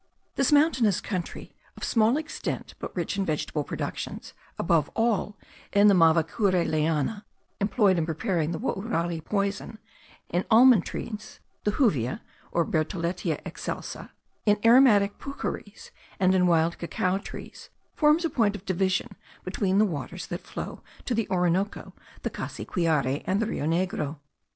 This mountainous country, of small extent but rich in vegetable productions, above all, in the mavacure liana, employed in preparing the wourali poison, in almond trees (the juvia, or Bertholletia excelsa), in aromatic pucheries, and in wild cacao trees, forms a point of division between the waters that flow to the Orinoco, the Cassiquiare, and the Rio Negro.